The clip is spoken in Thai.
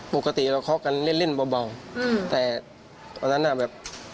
ปกติเราเคาะกันเล่นเล่นเบาแต่วันนั้นน่ะแบบ